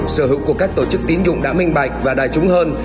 sở hữu của các tổ chức tín dụng đã minh bạch và đài trúng hơn